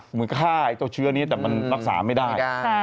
เหมือนฆ่าไอ้เจ้าเชื้อนี้แต่มันรักษาไม่ได้